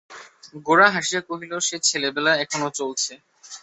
গোরা হাসিয়া কহিল, সে ছেলেবেলা এখনো চলছে।